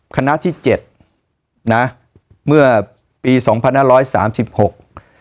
คณะที่เจ็ดนะเมื่อปีสองพันห้าร้อยสามสิบหก